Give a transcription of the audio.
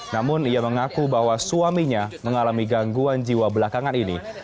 namun ia mengaku bahwa suaminya mengalami gangguan jiwa belakangan ini